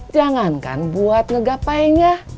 jangankan buat menggapainya